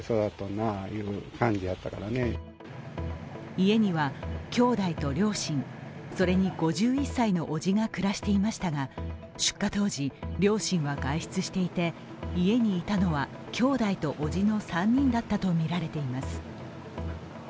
家には兄弟と両親、それに５１歳の伯父が暮らしていましたが出火当時、両親は外出していて家にいたのは兄弟と伯父の３人だったとみられています。